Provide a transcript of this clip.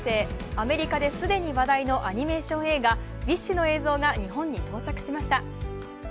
アメリカで既に話題のアニメーション映画「ウィッシュ」の映像が日本に到着しました。